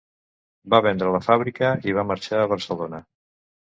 Va vendre la fàbrica i va marxar a Barcelona.